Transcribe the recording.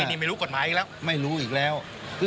ไอไปรู้กฎหมายแล้ว